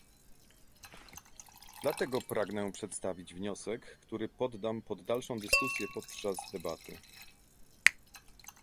Dlatego pragnę przedstawić wniosek, który poddam pod dalszą dyskusję podczas debaty